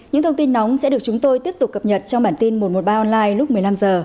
những thông tin nóng sẽ được chúng tôi tiếp tục cập nhật trong bản tin một trăm một mươi ba online lúc một mươi năm h